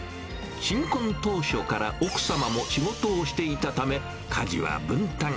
新婚当初から奥様も仕事をしていたため、家事は分担。